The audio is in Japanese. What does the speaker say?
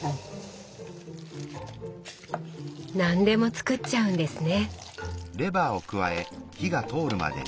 何でも作っちゃうんですね。